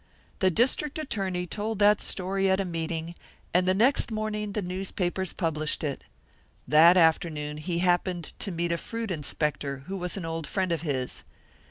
"The district attorney told that story at a meeting, and the next morning the newspapers published it. That afternoon he happened to meet a fruit inspector, who was an old friend of his.